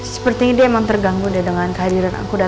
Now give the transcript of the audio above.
sepertinya dia emang terganggu deh dengan kehadiran aku datang